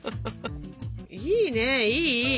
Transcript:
いいねいいいい。